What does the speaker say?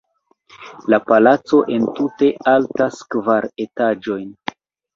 La palaco entute altas kvar etaĝojn.